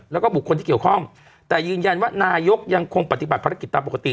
แล้วก็บุคคลที่เกี่ยวข้องแต่ยืนยันว่านายกยังคงปฏิบัติภารกิจตามปกติ